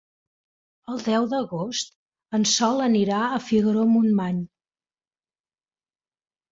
El deu d'agost en Sol anirà a Figaró-Montmany.